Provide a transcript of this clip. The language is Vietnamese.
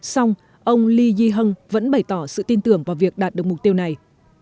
song ông li yiheng vẫn bày tỏ sự tin tưởng vào việc đạt được mục tiêu này